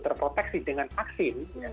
terproteksi dengan vaksin